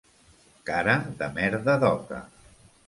Cara de merda d'oca.